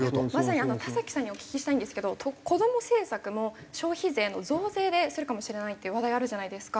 まさに田さんにお聞きしたいんですけどこども政策も消費税の増税でするかもしれないっていう話題あるじゃないですか。